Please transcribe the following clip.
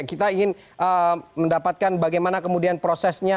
kita ingin mendapatkan bagaimana kemudian prosesnya